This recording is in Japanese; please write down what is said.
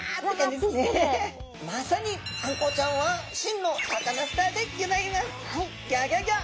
まさにあんこうちゃんは真のサカナスターでギョざいます！